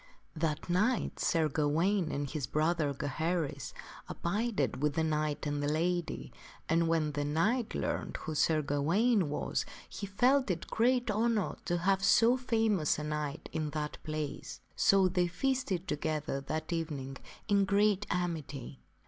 That night Sir Gawaine, and his brother, Gaheris, abided with the knight and the lady, and when the knight learned who Sir Gawaine was, he felt it great honor to have so famous a knight in that place. So they feasted together that evening in great amity.